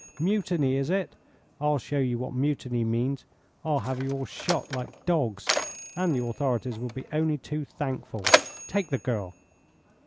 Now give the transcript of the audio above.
"Mutiny, is it? I'll show you what mutiny means. I'll have you all shot like dogs, and the authorities will be only too thankful. Take the girl."